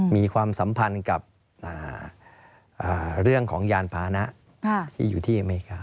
มีความสัมพันธ์กับเรื่องของยานพานะที่อยู่ที่อเมริกา